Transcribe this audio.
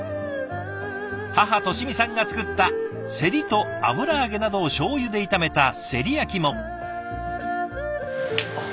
母俊美さんが作ったせりと油揚げなどをしょうゆで炒めたせり焼きも。